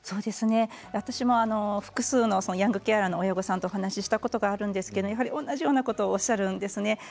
私も複数のヤングケアラーの親御さんと話をしたことがあるんですけれども、同じようなことをおっしゃるんですね。